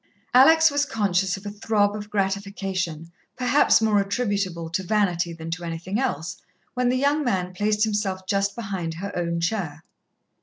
Alex was conscious of a throb of gratification, perhaps more attributable to vanity than to anything else, when the young man placed himself just behind her own chair.